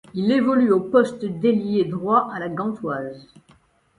Il évolue au poste d'ailier droit à La Gantoise.